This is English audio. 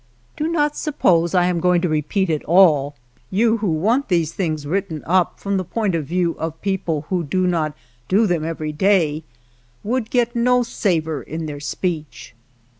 Do not suppose I am going to repeat it all ; you who want these things written up from the point of view of people who do not do them every day would get no savor in their speech.